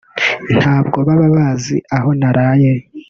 ntabwo baba bazi aho naraye